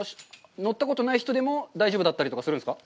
乗ったことない人でも大丈夫だったりとかするんですか？